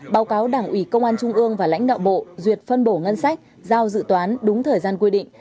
báo cáo đảng ủy công an trung ương và lãnh đạo bộ duyệt phân bổ ngân sách giao dự toán đúng thời gian quy định